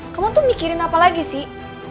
kamu tuh mikirin apa lagi sih